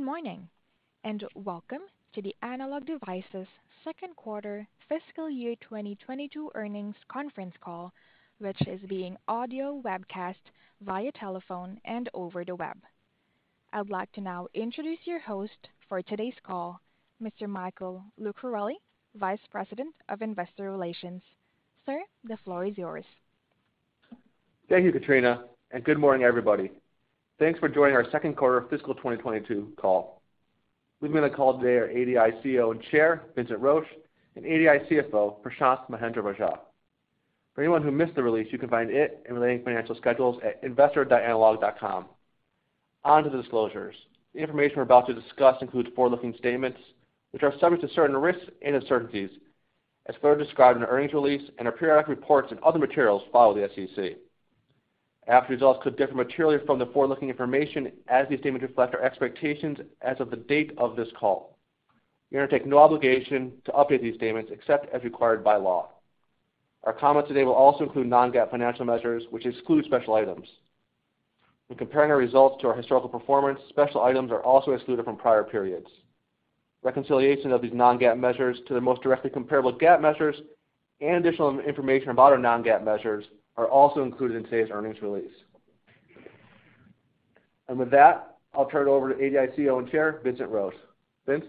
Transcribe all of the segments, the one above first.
Good morning, and welcome to the Analog Devices second quarter FY22 earnings conference call, which is via audio webcast via telephone and over the web. I'd like to now introduce your host for today's call, Mr. Michael Lucarelli, Vice President of Investor Relations. Sir, the floor is yours. Thank you, Katrina, and good morning, everybody. Thanks for joining our second quarter FY22 call. Leading the call today are ADI CEO and Chair Vincent Roche, and ADI CFO Prashanth Mahendra-Rajah. For anyone who missed the release, you can find it and related financial schedules at investor.analog.com. On to the disclosures. The information we're about to discuss includes forward-looking statements, which are subject to certain risks and uncertainties as further described in the earnings release and our periodic reports and other materials filed with the SEC. Actual results could differ materially from the forward-looking information as these statements reflect our expectations as of the date of this call. We undertake no obligation to update these statements except as required by law. Our comments today will also include non-GAAP financial measures, which exclude special items. When comparing our results to our historical performance, special items are also excluded from prior periods. Reconciliation of these non-GAAP measures to the most directly comparable GAAP measures and additional information about our non-GAAP measures are also included in today's earnings release. With that, I'll turn it over to ADI CEO and Chair, Vincent Roche. Vince.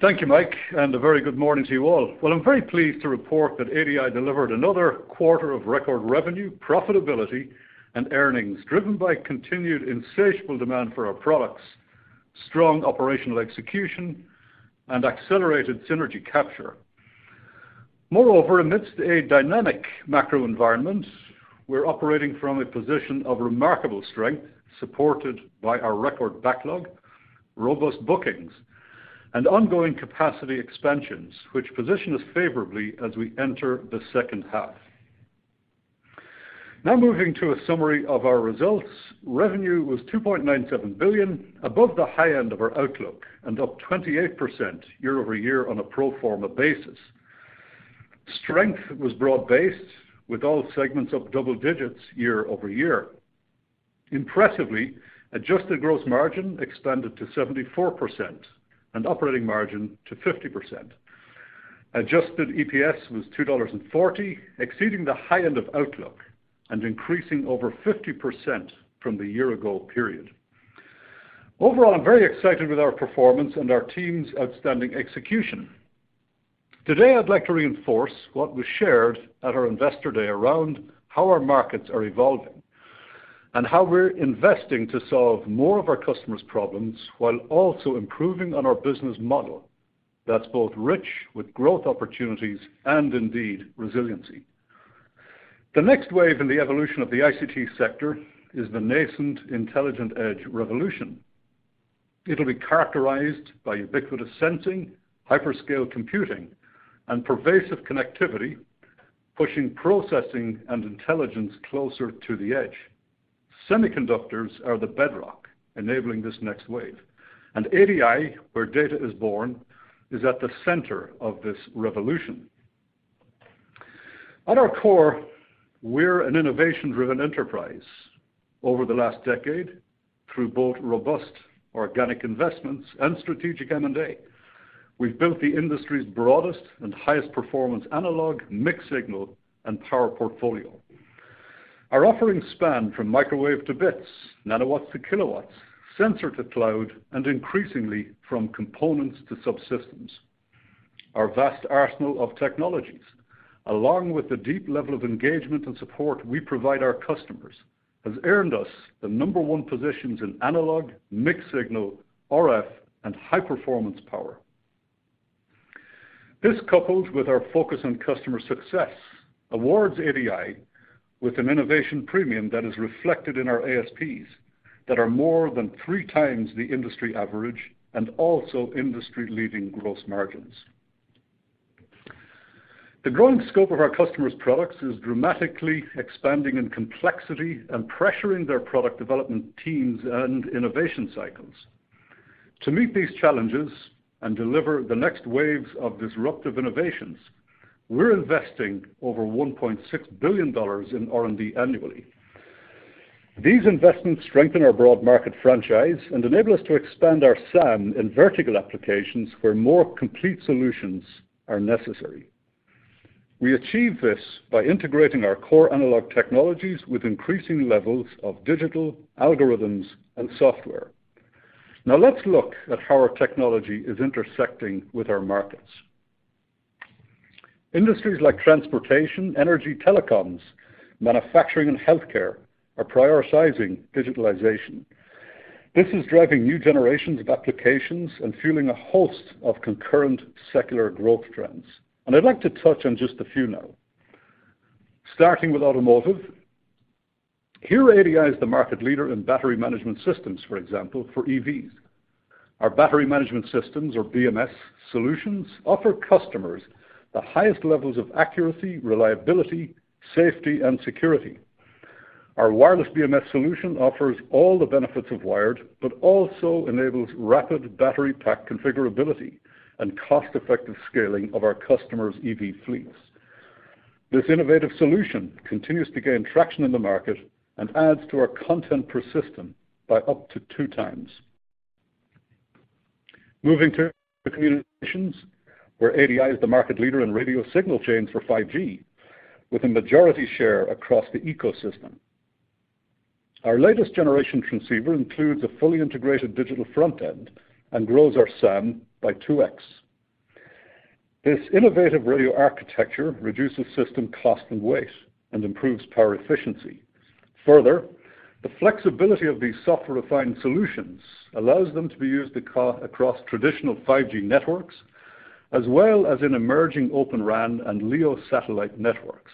Thank you, Mike, and a very good morning to you all. Well, I'm very pleased to report that ADI delivered another quarter of record revenue, profitability, and earnings driven by continued insatiable demand for our products, strong operational execution, and accelerated synergy capture. Moreover, amidst a dynamic macro environment, we're operating from a position of remarkable strength, supported by our record backlog, robust bookings, and ongoing capacity expansions, which position us favorably as we enter the second half. Now moving to a summary of our results. Revenue was $2.97 billion, above the high end of our outlook and up 28% year-over-year on a pro forma basis. Strength was broad-based, with all segments up double digits year-over-year. Impressively, adjusted gross margin expanded to 74% and operating margin to 50%. Adjusted EPS was $2.40, exceeding the high end of outlook and increasing over 50% from the year-ago period. Overall, I'm very excited with our performance and our team's outstanding execution. Today, I'd like to reinforce what was shared at our Investor Day around how our markets are evolving and how we're investing to solve more of our customers' problems while also improving on our business model that's both rich with growth opportunities and indeed resiliency. The next wave in the evolution of the ICT sector is the nascent intelligent edge revolution. It'll be characterized by ubiquitous sensing, hyperscale computing, and pervasive connectivity, pushing processing and intelligence closer to the edge. Semiconductors are the bedrock enabling this next wave, and ADI, where data is born, is at the center of this revolution. At our core, we're an innovation-driven enterprise. Over the last decade, through both robust organic investments and strategic M&A, we've built the industry's broadest and highest performance analog, mixed-signal, and power portfolio. Our offerings span from microwave to bits, nanowatts to kilowatts, sensor to cloud, and increasingly from components to subsystems. Our vast arsenal of technologies, along with the deep level of engagement and support we provide our customers, has earned us the number one positions in analog, mixed-signal, RF, and high-performance power. This, coupled with our focus on customer success, awards ADI with an innovation premium that is reflected in our ASPs that are more than 3x the industry average and also industry-leading gross margins. The growing scope of our customers' products is dramatically expanding in complexity and pressuring their product development teams and innovation cycles. To meet these challenges and deliver the next waves of disruptive innovations, we're investing over $1.6 billion in R&D annually. These investments strengthen our broad market franchise and enable us to expand our SAM in vertical applications where more complete solutions are necessary. We achieve this by integrating our core analog technologies with increasing levels of digital algorithms and software. Now let's look at how our technology is intersecting with our markets. Industries like transportation, energy, telecoms, manufacturing, and healthcare are prioritizing digitalization. This is driving new generations of applications and fueling a host of concurrent secular growth trends, and I'd like to touch on just a few now. Starting with automotive. Here, ADI is the market leader in Battery Management Systems, for example, for EVs. Our Battery Management Systems or BMS solutions offer customers the highest levels of accuracy, reliability, safety, and security. Our Wireless BMS solution offers all the benefits of wired but also enables rapid battery pack configurability and cost-effective scaling of our customers' EV fleets. This innovative solution continues to gain traction in the market and adds to our content per system by up to 2x. Moving to the communications, where ADI is the market leader in radio signal chains for 5G, with a majority share across the ecosystem. Our latest generation transceiver includes a fully integrated digital front end and grows our SAM by 2x. This innovative radio architecture reduces system cost and weight and improves power efficiency. Further, the flexibility of these software-defined solutions allows them to be used across traditional 5G networks, as well as in emerging Open RAN and LEO satellite networks.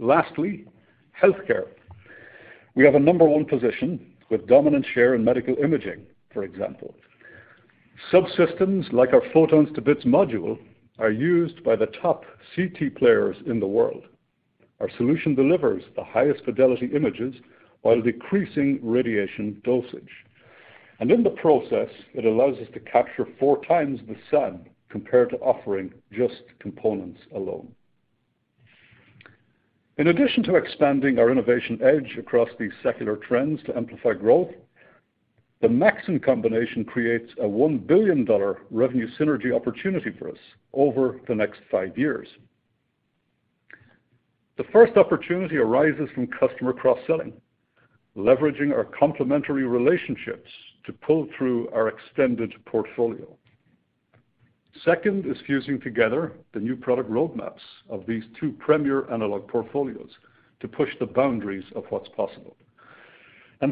Lastly, healthcare. We have a number one position with dominant share in medical imaging, for example. Subsystems like our Photons-to-Bits module are used by the top CT players in the world. Our solution delivers the highest fidelity images while decreasing radiation dosage. In the process, it allows us to capture 4x the SAM compared to offering just components alone. In addition to expanding our innovation edge across these secular trends to amplify growth, the Maxim combination creates a $1 billion revenue synergy opportunity for us over the next five years. The first opportunity arises from customer cross-selling, leveraging our complementary relationships to pull through our extended portfolio. Second is fusing together the new product roadmaps of these two premier analog portfolios to push the boundaries of what's possible.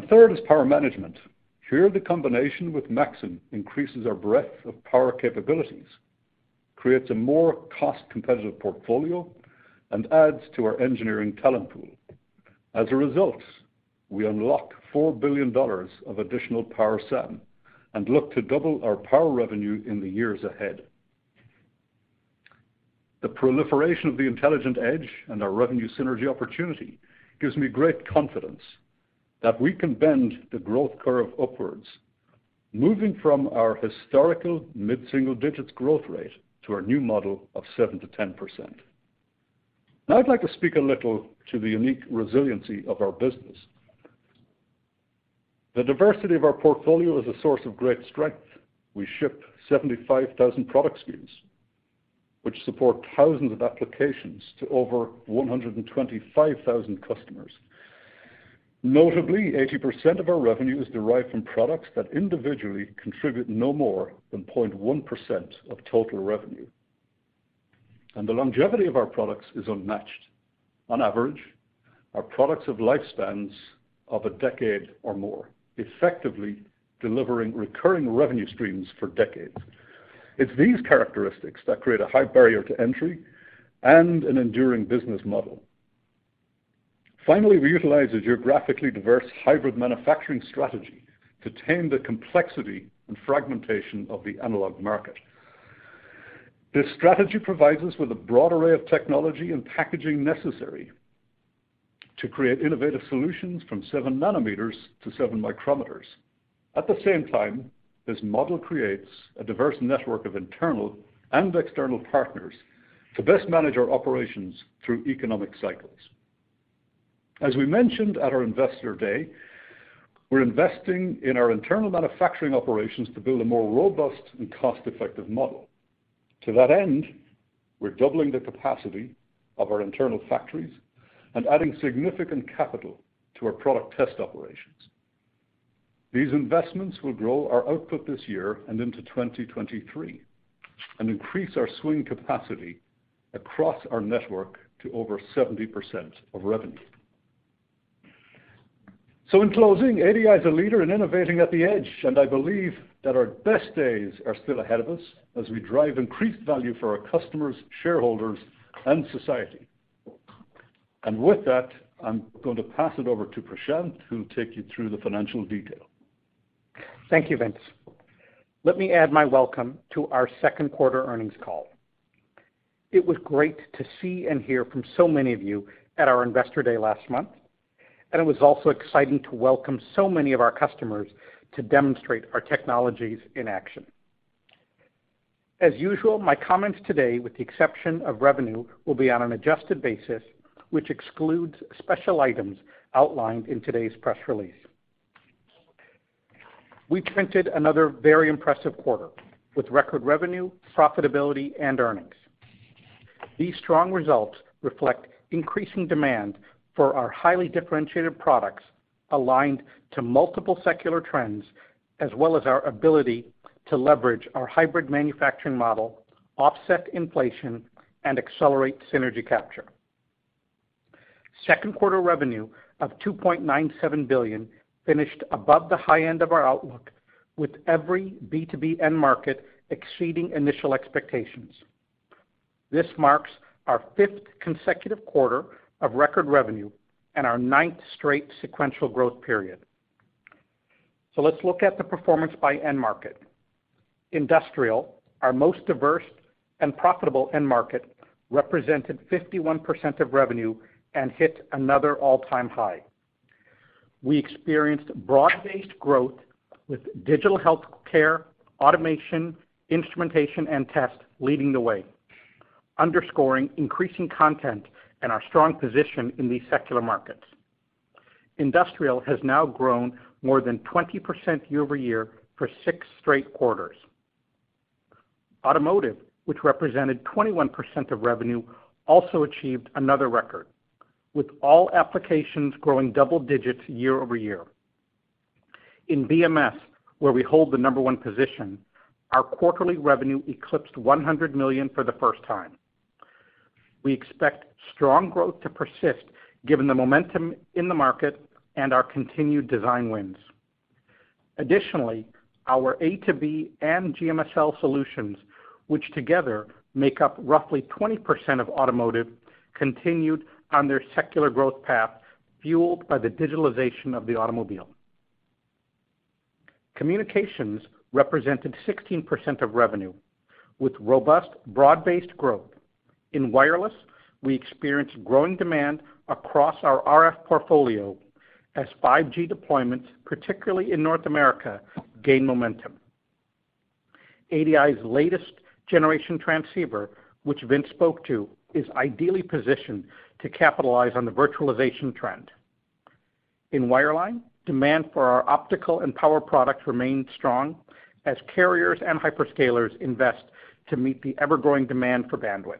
Third is power management. Here, the combination with Maxim increases our breadth of power capabilities, creates a more cost-competitive portfolio, and adds to our engineering talent pool. As a result, we unlock $4 billion of additional power SAM and look to double our power revenue in the years ahead. The proliferation of the intelligent edge and our revenue synergy opportunity gives me great confidence that we can bend the growth curve upwards, moving from our historical mid-single digits growth rate to our new model of 7%-10%. Now, I'd like to speak a little to the unique resiliency of our business. The diversity of our portfolio is a source of great strength. We ship 75,000 product SKUs, which support thousands of applications to over 125,000 customers. Notably, 80% of our revenue is derived from products that individually contribute no more than 0.1% of total revenue. The longevity of our products is unmatched. On average, our products have lifespans of a decade or more, effectively delivering recurring revenue streams for decades. It's these characteristics that create a high barrier to entry and an enduring business model. Finally, we utilize a geographically diverse hybrid manufacturing strategy to tame the complexity and fragmentation of the analog market. This strategy provides us with a broad array of technology and packaging necessary to create innovative solutions from seven nanometers to seven micrometers. At the same time, this model creates a diverse network of internal and external partners to best manage our operations through economic cycles. As we mentioned at our Investor Day, we're investing in our internal manufacturing operations to build a more robust and cost-effective model. To that end, we're doubling the capacity of our internal factories and adding significant capital to our product test operations. These investments will grow our output this year and into 2023 and increase our swing capacity across our network to over 70% of revenue. So in closing, ADI is a leader in innovating at the edge, and I believe that our best days are still ahead of us as we drive increased value for our customers, shareholders, and society. With that, I'm going to pass it over to Prashanth, who'll take you through the financial detail. Thank you, Vince. Let me add my welcome to our second quarter earnings call. It was great to see and hear from so many of you at our Investor Day last month, and it was also exciting to welcome so many of our customers to demonstrate our technologies in action. As usual, my comments today, with the exception of revenue, will be on an adjusted basis, which excludes special items outlined in today's press release. We printed another very impressive quarter with record revenue, profitability, and earnings. These strong results reflect increasing demand for our highly differentiated products aligned to multiple secular trends, as well as our ability to leverage our hybrid manufacturing model, offset inflation, and accelerate synergy capture. Second quarter revenue of $2.97 billion finished above the high end of our outlook, with every B2B end market exceeding initial expectations. This marks our 5th consecutive quarter of record revenue and our 9th straight sequential growth period. Let's look at the performance by end market. Industrial, our most diverse and profitable end market, represented 51% of revenue and hit another all-time high. We experienced broad-based growth with digital healthcare, automation, instrumentation, and test leading the way, underscoring increasing content and our strong position in these secular markets. Industrial has now grown more than 20% year-over-year for six straight quarters. Automotive, which represented 21% of revenue, also achieved another record, with all applications growing double digits year-over-year. In BMS, where we hold the number one position, our quarterly revenue eclipsed $100 million for the first time. We expect strong growth to persist given the momentum in the market and our continued design wins. Additionally, our A2B and GMSL solutions, which together make up roughly 20% of automotive, continued on their secular growth path, fueled by the digitalization of the automobile. Communications represented 16% of revenue with robust broad-based growth. In wireless, we experienced growing demand across our RF portfolio as 5G deployments, particularly in North America, gained momentum. ADI's latest generation transceiver, which Vince spoke to, is ideally positioned to capitalize on the virtualization trend. In wireline, demand for our optical and power products remained strong as carriers and hyperscalers invest to meet the ever-growing demand for bandwidth.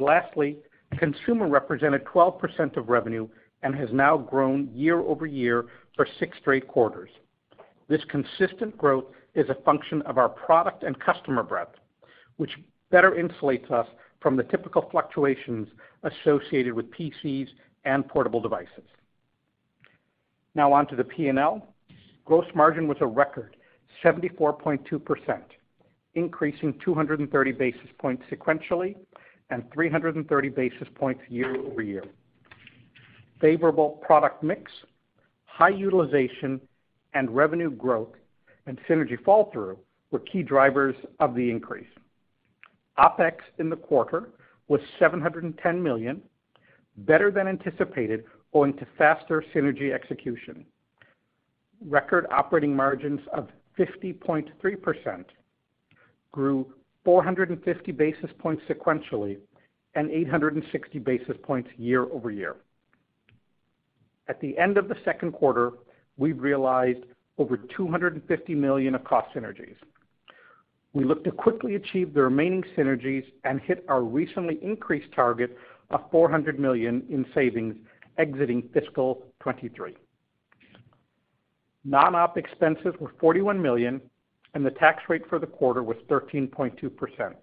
Lastly, consumer represented 12% of revenue and has now grown year-over-year for six straight quarters. This consistent growth is a function of our product and customer breadth, which better insulates us from the typical fluctuations associated with PCs and portable devices. Now on to the P&L. Gross margin was a record 74.2%, increasing 230 basis points sequentially and 330 basis points year-over-year. Favorable product mix, high utilization, and revenue growth and synergy fall through were key drivers of the increase. OpEx in the quarter was $710 million, better than anticipated, owing to faster synergy execution. Record operating margins of 50.3% grew 450 basis points sequentially and 860 basis points year-over-year. At the end of the second quarter, we've realized over $250 million of cost synergies. We look to quickly achieve the remaining synergies and hit our recently increased target of $400 million in savings exiting FY23. Non-OpEx expenses were $41 million, and the tax rate for the quarter was 13.2%.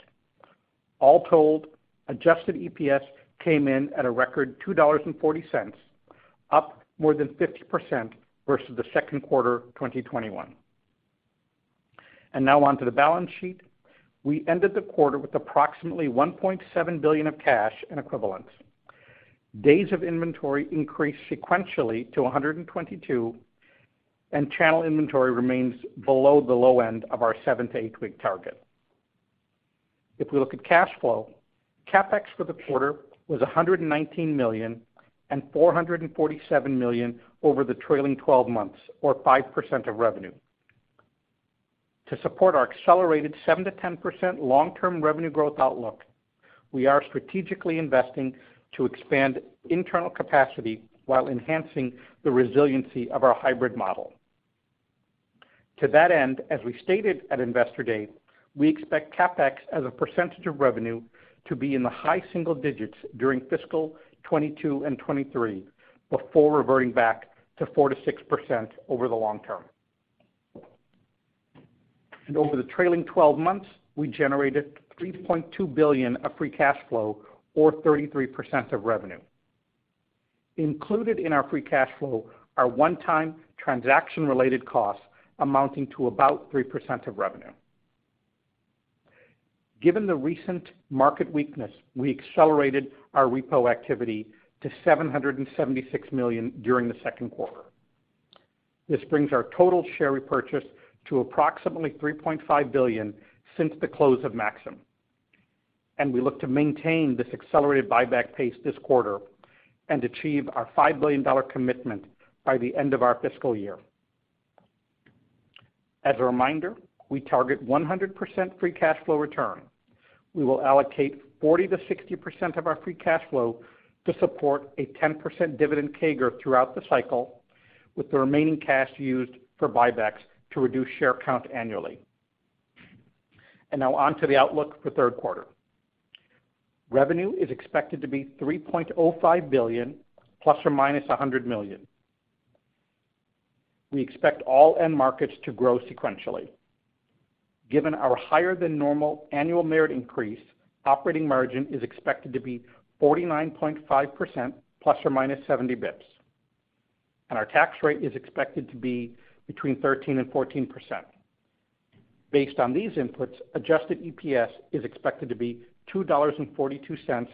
All told, Adjusted EPS came in at a record $2.40, up more than 50% versus the second quarter 2021. Now on to the balance sheet. We ended the quarter with approximately $1.7 billion of cash and equivalents. Days of inventory increased sequentially to 122, and channel inventory remains below the low end of our seven to eight week target. If we look at cash flow, CapEx for the quarter was $119 million and $447 million over the trailing 12 months or 5% of revenue. To support our accelerated 7%-10% long-term revenue growth outlook, we are strategically investing to expand internal capacity while enhancing the resiliency of our hybrid model. To that end, as we stated at Investor Day, we expect CapEx as a percentage of revenue to be in the high single digits during FY22 and FY23 before reverting back to 4%-6% over the long term. Over the trailing 12 months, we generated $3.2 billion of free cash flow or 33% of revenue. Included in our free cash flow are one-time transaction-related costs amounting to about 3% of revenue. Given the recent market weakness, we accelerated our repo activity to $776 million during the second quarter. This brings our total share repurchase to approximately $3.5 billion since the close of Maxim. We look to maintain this accelerated buyback pace this quarter and achieve our $5 billion commitment by the end of our fiscal year. As a reminder, we target 100% free cash flow return. We will allocate 40%-60% of our free cash flow to support a 10% dividend CAGR throughout the cycle, with the remaining cash used for buybacks to reduce share count annually. Now on to the outlook for third quarter. Revenue is expected to be $3.05 billion ± $100 million. We expect all end markets to grow sequentially. Given our higher than normal annual merit increase, operating margin is expected to be 49.5% ± 70 basis points. Our tax rate is expected to be 13%-14%. Based on these inputs, Adjusted EPS is expected to be $2.42 ±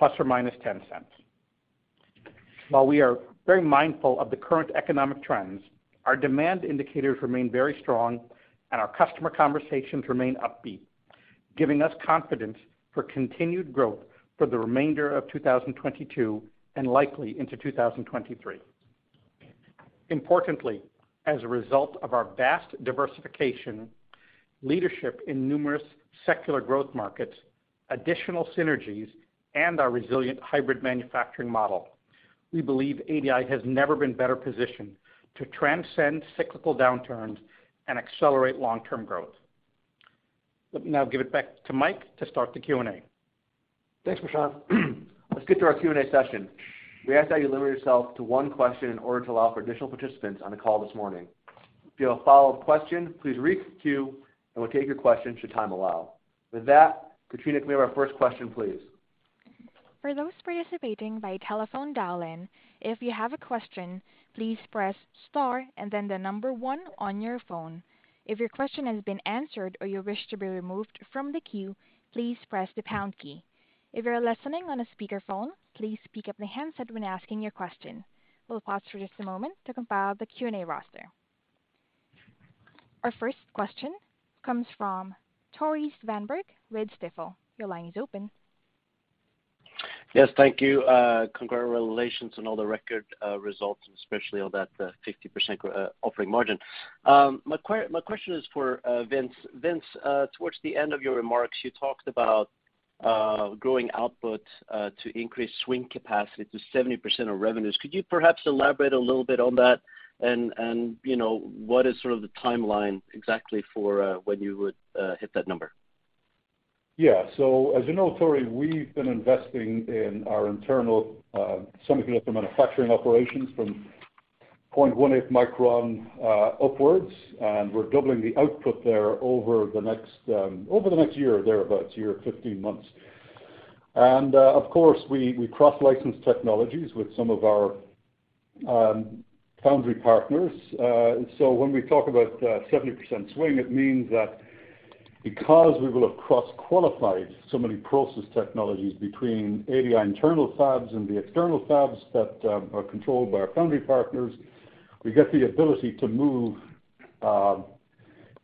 $0.10. While we are very mindful of the current economic trends, our demand indicators remain very strong and our customer conversations remain upbeat. Giving us confidence for continued growth for the remainder of 2022 and likely into 2023. Importantly, as a result of our vast diversification, leadership in numerous secular growth markets, additional synergies, and our resilient hybrid manufacturing model, we believe ADI has never been better positioned to transcend cyclical downturns and accelerate long-term growth. Let me now give it back to Mike to start the Q&A. Thanks, Prashanth. Let's get to our Q&A session. We ask that you limit yourself to one question in order to allow for additional participants on the call this morning. If you have a follow-up question, please re-queue, and we'll take your question should time allow. With that, Katrina, can we have our first question, please? For those participating by telephone dial-in, if you have a question, please press star and then the number one on your phone. If your question has been answered or you wish to be removed from the queue, please press the pound key. If you are listening on a speakerphone, please speak up the handset when asking your question. We'll pause for just a moment to compile the Q&A roster. Our first question comes from Tore Svanberg with Stifel. Your line is open. Yes, thank you. Congratulations on all the record results, especially on that 50% operating margin. My question is for Vince. Vince, towards the end of your remarks, you talked about growing output to increase swing capacity to 70% of revenues. Could you perhaps elaborate a little bit on that? You know, what is sort of the timeline exactly for when you would hit that number? Yeah. As you know, Tore, we've been investing in our internal semiconductor manufacturing operations from 0.18 micron upwards, and we're doubling the output there over the next year or thereabout, year to 15 months. Of course, we cross-license technologies with some of our foundry partners. When we talk about 70% swing, it means that because we will have cross-qualified so many process technologies between ADI internal fabs and the external fabs that are controlled by our foundry partners, we get the ability to move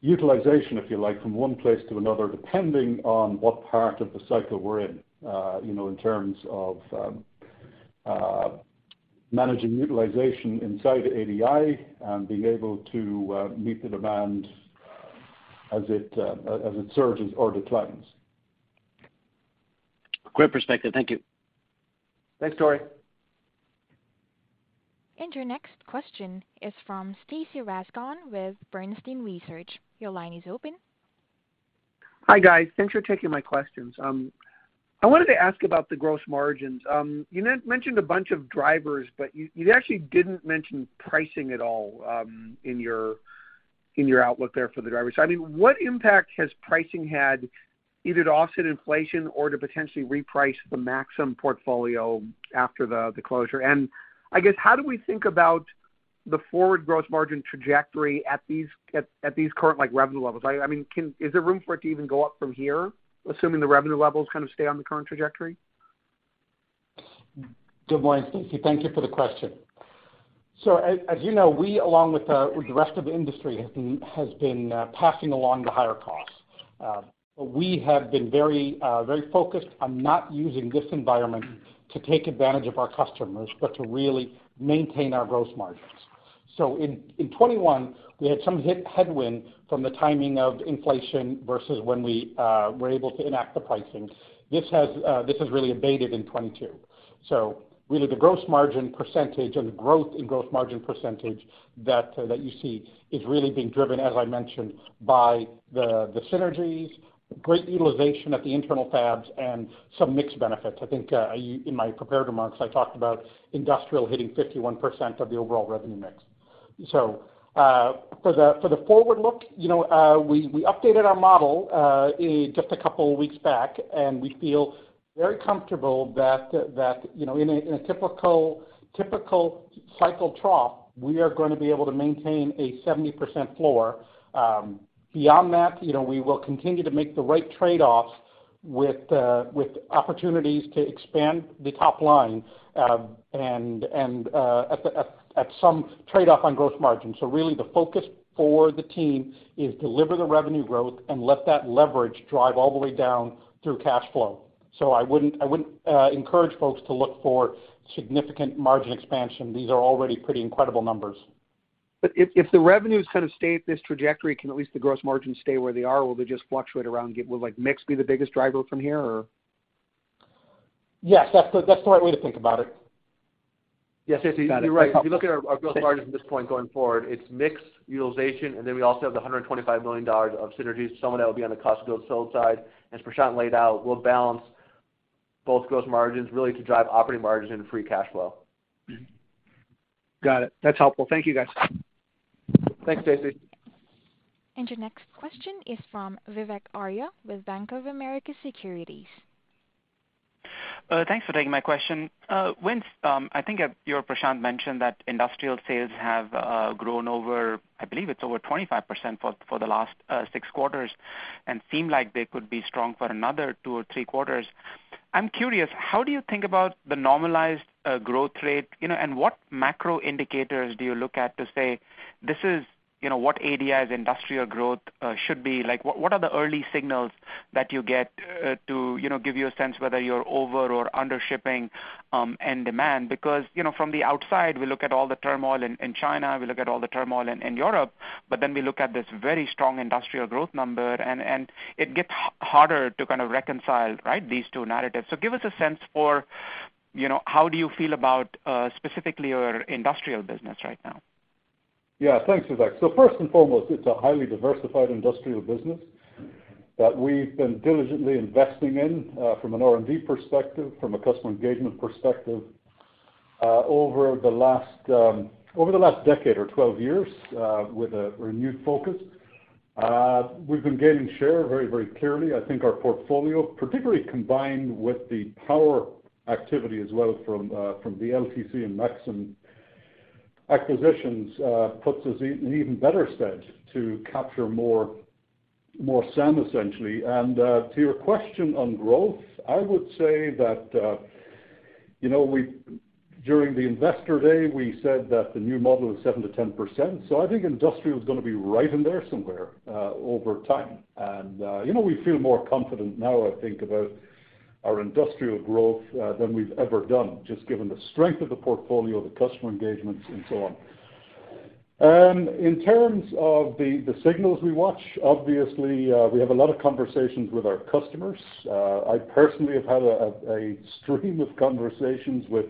utilization, if you like, from one place to another, depending on what part of the cycle we're in, you know, in terms of managing utilization inside ADI and being able to meet the demand as it surges or declines. Great perspective. Thank you. Thanks, Tore. Your next question is from Stacy Rasgon with Bernstein Research. Your line is open. Hi, guys. Thanks for taking my questions. I wanted to ask about the gross margins. You mentioned a bunch of drivers, but you actually didn't mention pricing at all, in your outlook there for the drivers. I mean, what impact has pricing had either to offset inflation or to potentially reprice the Maxim portfolio after the closure? I guess, how do we think about the forward gross margin trajectory at these current, like, revenue levels? I mean, is there room for it to even go up from here, assuming the revenue levels kind of stay on the current trajectory? Good morning, Stacy. Thank you for the question. As you know, we, along with the rest of the industry, has been passing along the higher costs. We have been very focused on not using this environment to take advantage of our customers, but to really maintain our gross margins. In 2021, we had some headwind from the timing of inflation versus when we were able to enact the pricing. This has really abated in 2022. Really the gross margin percentage and the growth in gross margin percentage that you see is really being driven, as I mentioned, by the synergies, great utilization at the internal fabs and some mix benefits. I think, in my prepared remarks, I talked about industrial hitting 51% of the overall revenue mix. For the forward look, you know, we updated our model just a couple of weeks back, and we feel very comfortable that, you know, in a typical cycle trough, we are gonna be able to maintain a 70% floor. Beyond that, you know, we will continue to make the right trade-offs with opportunities to expand the top line, and at some trade-off on gross margin. Really the focus for the team is deliver the revenue growth and let that leverage drive all the way down through cash flow. I wouldn't encourage folks to look for significant margin expansion. These are already pretty incredible numbers. If the revenues kind of stay at this trajectory, can at least the gross margins stay where they are? Will they just fluctuate around, will like mix be the biggest driver from here or? Yes. That's the right way to think about it. Yeah, Stacy, you're right. If you look at our gross margins from this point going forward, it's mix utilization, and then we also have the $125 million of synergies. Some of that will be on the cost of goods sold side. As Prashanth laid out, we'll balance both gross margins really to drive operating margins and free cash flow. Got it. That's helpful. Thank you, guys. Thanks, Stacy. Your next question is from Vivek Arya with Bank of America Securities. Thanks for taking my question. Vincent, I think you or Prashanth mentioned that industrial sales have grown over, I believe it's over 25% for the last six quarters and seem like they could be strong for another two or three quarters. I'm curious, how do you think about the normalized growth rate? You know, and what macro indicators do you look at to say, this is, you know, what ADI's industrial growth should be? Like, what are the early signals that you get to, you know, give you a sense whether you're over or under shipping and demand? Because, you know, from the outside, we look at all the turmoil in China, we look at all the turmoil in Europe, but then we look at this very strong industrial growth number and it gets harder to kind of reconcile, right, these two narratives. Give us a sense for, you know, how do you feel about specifically your industrial business right now? Yeah, thanks, Vivek. First and foremost, it's a highly diversified industrial business that we've been diligently investing in from an R&D perspective, from a customer engagement perspective, over the last, over the last decade or 12 years, with a renewed focus. We've been gaining share very, very clearly. I think our portfolio, particularly combined with the power activity as well from the LTC and Maxim acquisitions, puts us in an even better stead to capture more SAM, essentially. To your question on growth, I would say that, you know, during the Investor Day, we said that the new model is 7%-10%. I think industrial is gonna be right in there somewhere, over time. You know, we feel more confident now, I think, about our industrial growth than we've ever done, just given the strength of the portfolio, the customer engagements, and so on. In terms of the signals we watch, obviously, we have a lot of conversations with our customers. I personally have had a stream of conversations with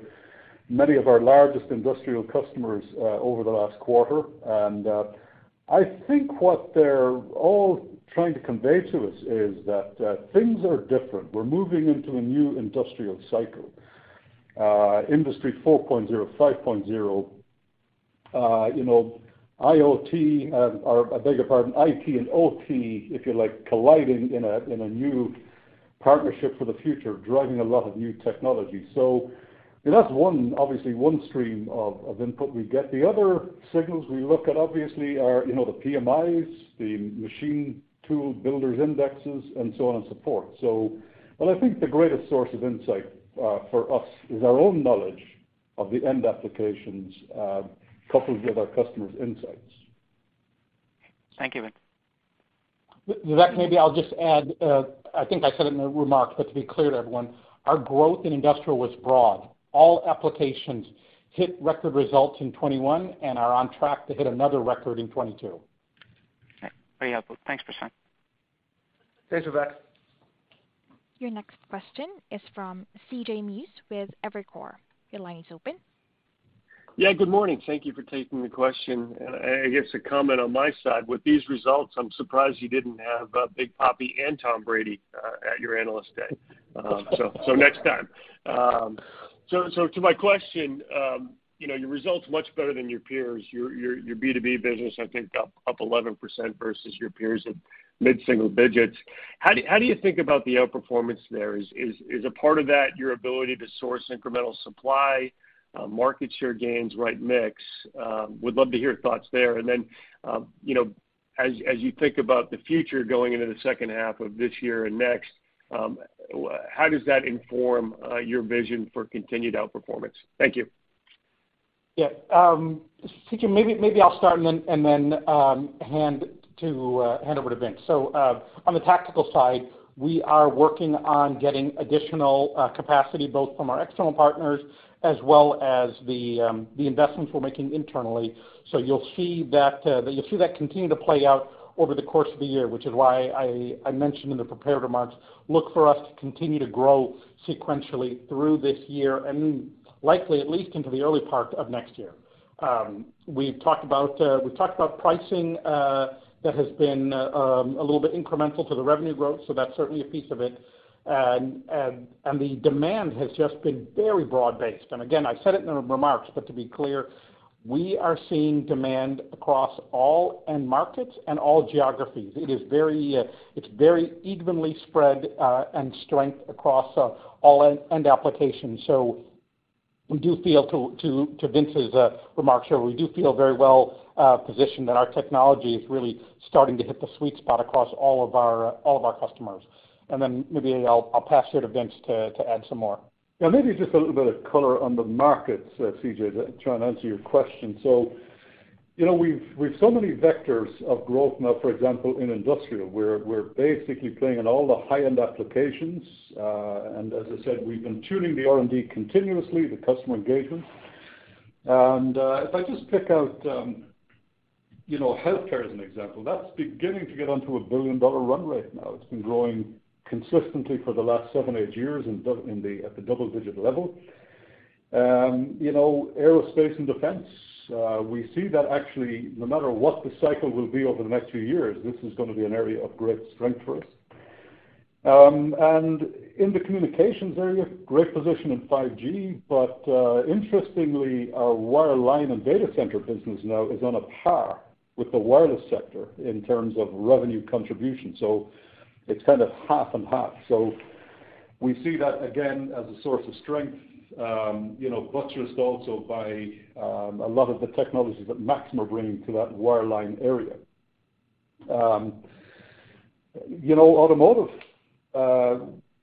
many of our largest industrial customers over the last quarter. I think what they're all trying to convey to us is that things are different. We're moving into a new industrial cycle, Industry 4.0, 5.0. IT and OT, if you like, colliding in a new partnership for the future, driving a lot of new technology. That's one, obviously one stream of input we get. The other signals we look at, obviously, are, you know, the PMIs, the machine tool builders indexes and so on and support. I think the greatest source of insight, for us is our own knowledge of the end applications, coupled with our customers' insights. Thank you, Vince. Vivek, maybe I'll just add, I think I said it in the remarks, but to be clear to everyone, our growth in industrial was broad. All applications hit record results in 2021 and are on track to hit another record in 2022. Very helpful. Thanks, Prashanth. Thanks, Vivek. Your next question is from CJ Muse with Evercore. Your line is open. Yeah, good morning. Thank you for taking the question. I guess a comment on my side. With these results, I'm surprised you didn't have David Ortiz and Tom Brady at your Analyst Day. Next time. To my question, you know, your results are much better than your peers. Your B2B business, I think, up 11% versus your peers at mid-single digits. How do you think about the outperformance there? Is a part of that your ability to source incremental supply, market share gains, right mix? Would love to hear your thoughts there. You know, as you think about the future going into the second half of this year and next, how does that inform your vision for continued outperformance? Thank you. Yeah. C.J., maybe I'll start and then hand over to Vince. On the tactical side, we are working on getting additional capacity, both from our external partners as well as the investments we're making internally. You'll see that continue to play out over the course of the year, which is why I mentioned in the prepared remarks, look for us to continue to grow sequentially through this year and likely at least into the early part of next year. We talked about pricing that has been a little bit incremental to the revenue growth, so that's certainly a piece of it. The demand has just been very broad-based. Again, I said it in the remarks, but to be clear, we are seeing demand across all end markets and all geographies. It is very evenly spread, and strength across all end applications. We do feel, to Vince's remarks here, we do feel very well positioned and our technology is really starting to hit the sweet spot across all of our customers. Maybe I'll pass it to Vince to add some more. Yeah, maybe just a little bit of color on the markets, CJ, to try and answer your question. You know, we've so many vectors of growth now, for example, in industrial, we're basically playing in all the high-end applications. As I said, we've been tuning the R&D continuously, the customer engagement. If I just pick out, you know, healthcare as an example, that's beginning to get onto a billion-dollar run rate now. It's been growing consistently for the last seven, eight years at the double-digit level. You know, aerospace and defense, we see that actually, no matter what the cycle will be over the next few years, this is gonna be an area of great strength for us. In the communications area, great position in 5G. Interestingly, our wireline and data center business now is on a par with the wireless sector in terms of revenue contribution. It's kind of half and half. We see that again as a source of strength, you know, buttressed also by a lot of the technologies that Maxim are bringing to that wireline area. You know, automotive,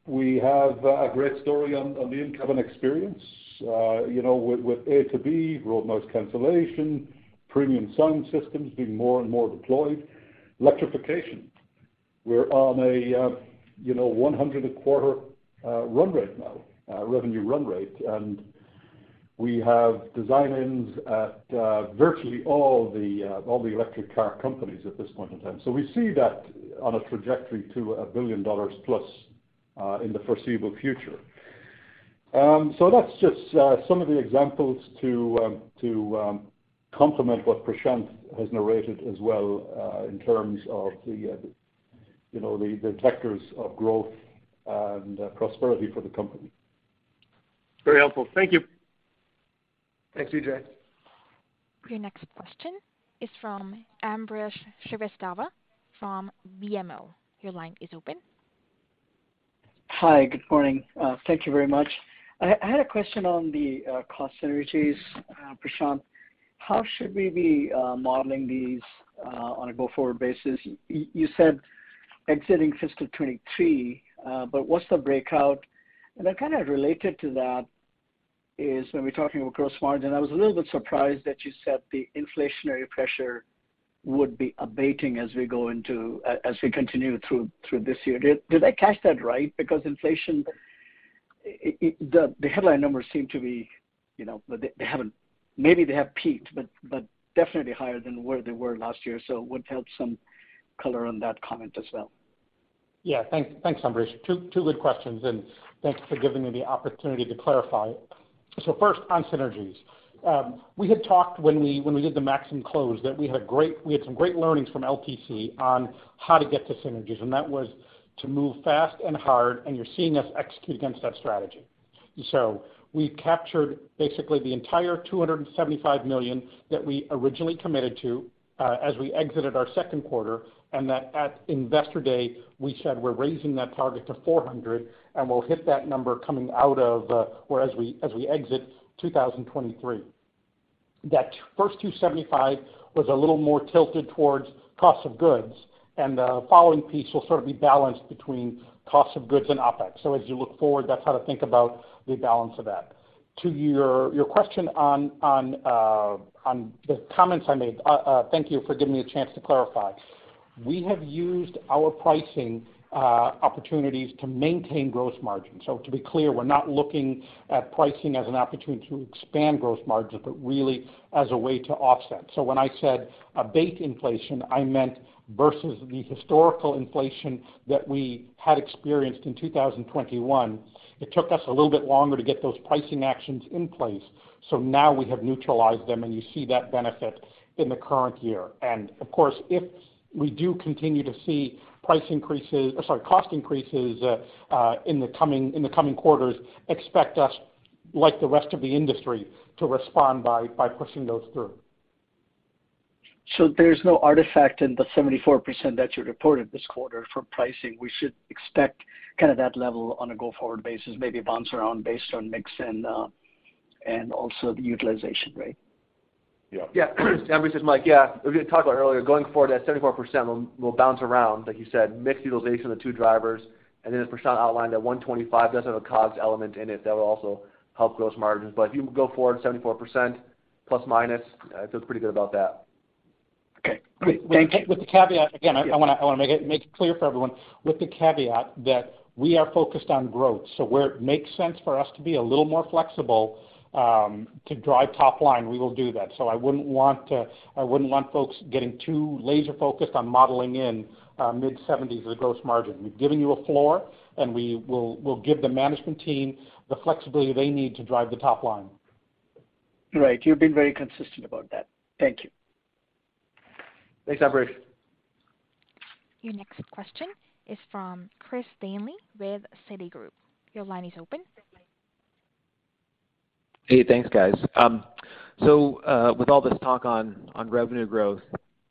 we have a great story on the in-cabin experience, you know, with A2B, Road Noise Cancellation, premium sound systems being more and more deployed. Electrification. We're on a 100 a quarter run rate now, revenue run rate. We have design-ins at virtually all the electric car companies at this point in time. We see that on a trajectory to $1 billion plus in the foreseeable future. That's just some of the examples to complement what Prashanth has narrated as well in terms of the vectors of growth and prosperity for the company. Very helpful. Thank you. Thanks, C.J. Your next question is from Ambrish Srivastava from BMO. Your line is open. Hi. Good morning. Thank you very much. I had a question on the cost synergies, Prashanth. How should we be modeling these on a go-forward basis? You said exiting FY23, but what's the breakout? Then kind of related to that is when we're talking about gross margin, I was a little bit surprised that you said the inflationary pressure would be abating as we continue through this year. Did I catch that right? Because inflation, the headline numbers seem to be, you know, they haven't maybe they have peaked, but definitely higher than where they were last year. Would help some color on that comment as well. Thanks, Ambrish. Two good questions, and thanks for giving me the opportunity to clarify. First on synergies. We had talked when we did the Maxim close, that we had some great learnings from LTC on how to get to synergies, and that was to move fast and hard, and you're seeing us execute against that strategy. We captured basically the entire $275 million that we originally committed to, as we exited our second quarter, and then at Investor Day, we said we're raising that target to $400 million, and we'll hit that number coming out of, or as we exit 2023. That first $275 million was a little more tilted towards cost of goods, and the following piece will sort of be balanced between cost of goods and OpEx. As you look forward, that's how to think about the balance of that. To your question on the comments I made, thank you for giving me a chance to clarify. We have used our pricing opportunities to maintain gross margin. To be clear, we're not looking at pricing as an opportunity to expand gross margin, but really as a way to offset. When I said abate inflation, I meant versus the historical inflation that we had experienced in 2021. It took us a little bit longer to get those pricing actions in place. Now we have neutralized them, and you see that benefit in the current year. Of course, if we do continue to see price increases, or sorry, cost increases, in the coming quarters, expect us, like the rest of the industry, to respond by pushing those through. There's no artifact in the 74% that you reported this quarter for pricing. We should expect kind of that level on a go-forward basis, maybe bounce around based on mix and also the utilization rate. Yeah. Yeah. Ambrish, it's Mike. Yeah. We talked about it earlier. Going forward, that 74% will bounce around, like you said, mix utilization, the two drivers. Then as Prashanth outlined, that 125 does have a COGS element in it that will also help gross margins. If you go forward 74% ±, I feel pretty good about that. Okay. Great. Thank you. With the caveat, again, I wanna make it clear for everyone, with the caveat that we are focused on growth. Where it makes sense for us to be a little more flexible to drive top line, we will do that. I wouldn't want folks getting too laser-focused on modeling in mid-70s% as a gross margin. We've given you a floor, and we'll give the management team the flexibility they need to drive the top line. Right. You've been very consistent about that. Thank you. Thanks, Ambrish. Your next question is from Christopher Danely with Citigroup. Your line is open. Hey, thanks, guys. With all this talk on revenue growth,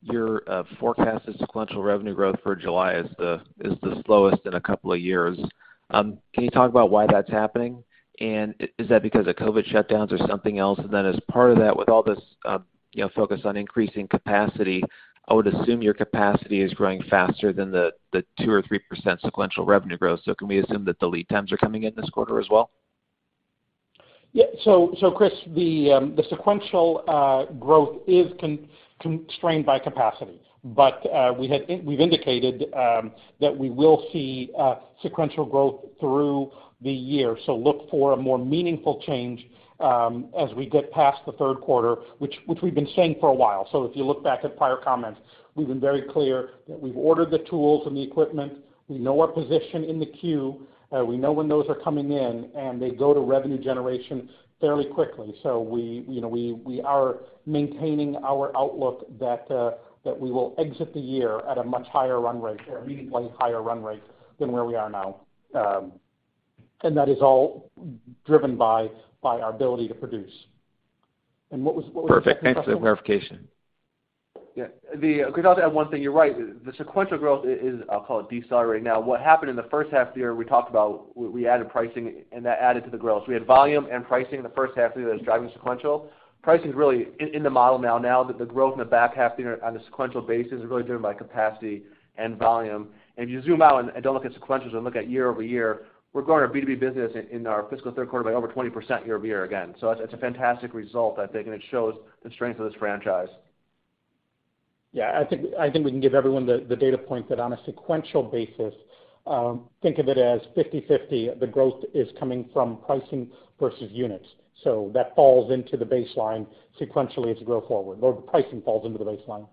your forecasted sequential revenue growth for July is the slowest in a couple of years. Can you talk about why that's happening? Is that because of COVID shutdowns or something else? Then as part of that, with all this, you know, focus on increasing capacity, I would assume your capacity is growing faster than the 2 or 3% sequential revenue growth. Can we assume that the lead times are coming in this quarter as well? Yeah. Chris, the sequential growth is constrained by capacity, but we've indicated that we will see sequential growth through the year. Look for a more meaningful change as we get past the third quarter, which we've been saying for a while. If you look back at prior comments, we've been very clear that we've ordered the tools and the equipment. We know our position in the queue. We know when those are coming in, and they go to revenue generation fairly quickly. We, you know, we are maintaining our outlook that we will exit the year at a much higher run rate, a meaningfully higher run rate than where we are now. That is all driven by our ability to produce. What was the second question? Perfect. Thanks for the verification. Yeah, could I add one thing? You're right. The sequential growth is, I'll call it decelerating. Now what happened in the first half of the year, we talked about we added pricing, and that added to the growth. We had volume and pricing in the first half of the year that was driving sequential. Pricing's really in the model now. Now that the growth in the back half of the year on a sequential basis is really driven by capacity and volume. If you zoom out and don't look at sequentials and look at year-over-year, we're growing our B2B business in our fiscal third quarter by over 20% year-over-year again. It's a fantastic result, I think, and it shows the strength of this franchise. Yeah, I think we can give everyone the data point that on a sequential basis, think of it as 50/50, the growth is coming from pricing versus units. That falls into the baseline sequentially as we grow forward, or the pricing falls into the baseline.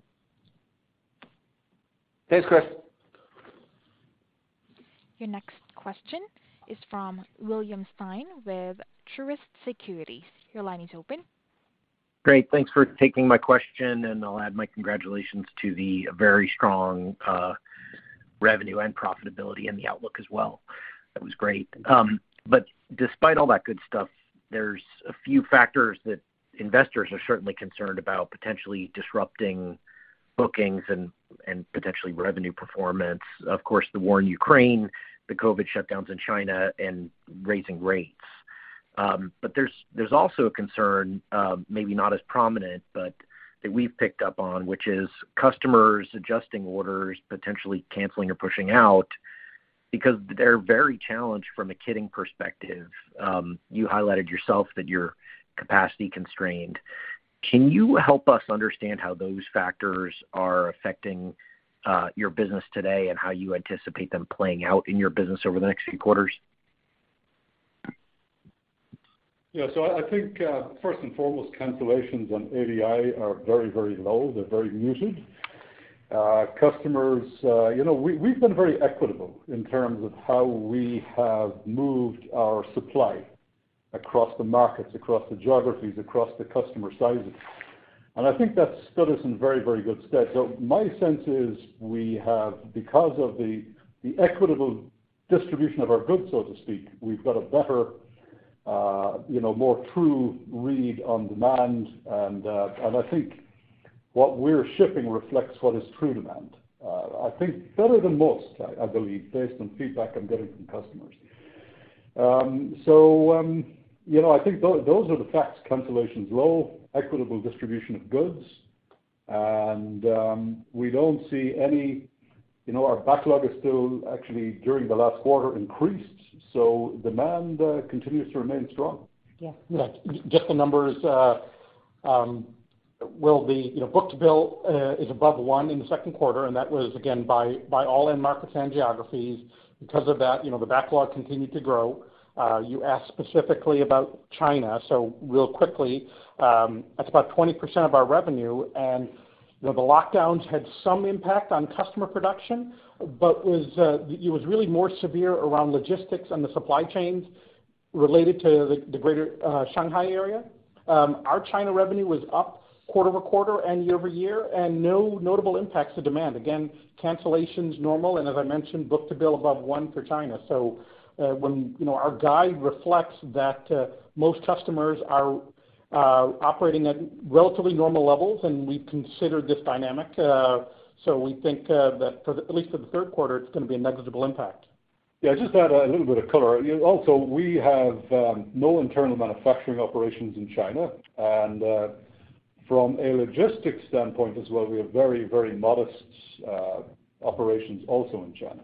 Thanks, Chris. Your next question is from William Stein with Truist Securities. Your line is open. Great. Thanks for taking my question, and I'll add my congratulations to the very strong revenue and profitability and the outlook as well. That was great. Despite all that good stuff, there's a few factors that investors are certainly concerned about potentially disrupting bookings and potentially revenue performance. Of course, the war in Ukraine, the COVID shutdowns in China, and raising rates. There's also a concern, maybe not as prominent, but that we've picked up on, which is customers adjusting orders, potentially canceling or pushing out because they're very challenged from a kitting perspective. You highlighted yourself that you're capacity constrained. Can you help us understand how those factors are affecting your business today and how you anticipate them playing out in your business over the next few quarters? Yeah. I think first and foremost, cancellations on ADI are very, very low. They're very muted. Customers, you know, we've been very equitable in terms of how we have moved our supply across the markets, across the geographies, across the customer sizes. I think that's put us in very, very good stead. My sense is we have because of the equitable distribution of our goods, so to speak, we've got a better, you know, more true read on demand. I think what we're shipping reflects what is true demand. I think better than most, I believe, based on feedback I'm getting from customers. You know, I think those are the facts. Cancellations low, equitable distribution of goods, and we don't see any, you know, our backlog is still actually during the last quarter increased, so demand continues to remain strong. Yeah. Just the numbers will be, you know, book to bill is above one in the second quarter, and that was again by all end markets and geographies. Because of that, you know, the backlog continued to grow. You asked specifically about China, so real quickly, that's about 20% of our revenue and, you know, the lockdowns had some impact on customer production, but it was really more severe around logistics and the supply chains related to the greater Shanghai area. Our China revenue was up quarter-over-quarter and year-over-year, and no notable impacts to demand. Again, cancellation's normal and as I mentioned, book to bill above one for China. When, you know, our guide reflects that most customers are operating at relatively normal levels, and we consider this dynamic, so we think that for at least the third quarter, it's gonna be a negligible impact. Yeah, just to add a little bit of color. Also, we have no internal manufacturing operations in China. From a logistics standpoint as well, we have very, very modest operations also in China.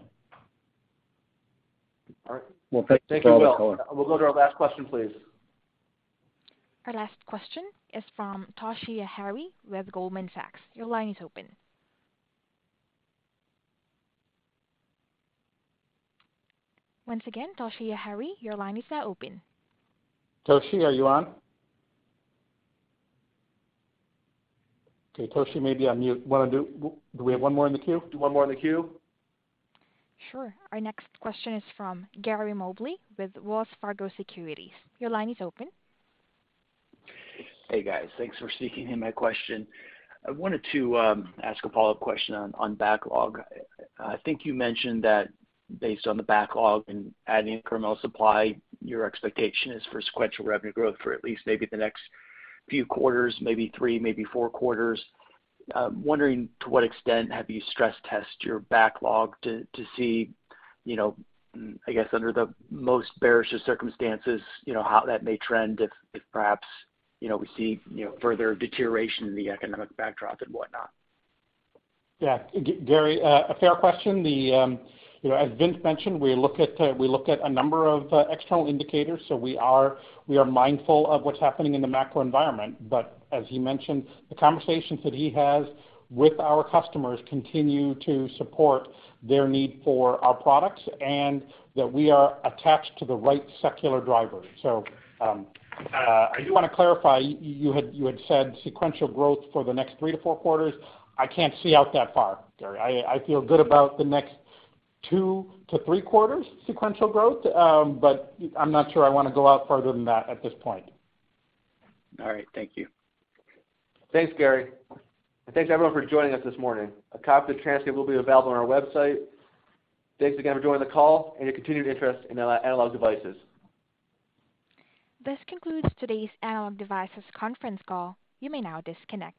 All right. Thank you, Will. We'll go to our last question, please. Our last question is from Toshiya Hari with Goldman Sachs. Your line is open. Once again, Toshiya Hari, your line is now open. Toshi, are you on? Okay, Toshi may be on mute. Do we have one more in the queue? One more in the queue. Sure. Our next question is from Gary Mobley with Wells Fargo Securities. Your line is open. Hey, guys. Thanks for sneaking in my question. I wanted to ask a follow-up question on backlog. I think you mentioned that based on the backlog and adding incremental supply, your expectation is for sequential revenue growth for at least maybe the next few quarters, maybe three, maybe four quarters. I'm wondering to what extent have you stress tested your backlog to see, you know, I guess, under the most bearish of circumstances, you know, how that may trend if perhaps, you know, we see, you know, further deterioration in the economic backdrop and whatnot? Yeah. Gary, a fair question. You know, as Vince mentioned, we look at a number of external indicators. We are mindful of what's happening in the macro environment. As he mentioned, the conversations that he has with our customers continue to support their need for our products and that we are attached to the right secular drivers. I do wanna clarify, you had said sequential growth for the next three to four quarters. I can't see out that far, Gary. I feel good about the next two to three quarters sequential growth, but I'm not sure I wanna go out further than that at this point. All right. Thank you. Thanks, Gary. Thanks everyone for joining us this morning. A copy of the transcript will be available on our website. Thanks again for joining the call and your continued interest in Analog Devices. This concludes today's Analog Devices conference call. You may now disconnect.